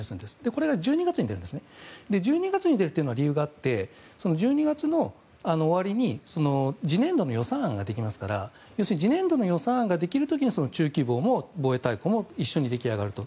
これが１２月に出るのには理由があって１２月の終わりに次年度の予算案ができますから要するに次年度の予算案ができる時には中期防も防衛大綱も一緒に出来上がると。